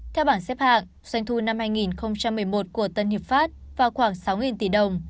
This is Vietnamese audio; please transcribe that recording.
theo bảng xếp hạng doanh thu năm hai nghìn một mươi một của tân hiệp pháp vào khoảng sáu tỷ đồng